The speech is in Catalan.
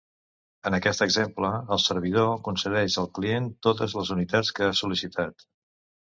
En aquest exemple, el servidor concedeix al client totes les unitats que ha sol·licitat.